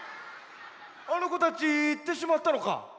あのこたちいってしまったのか？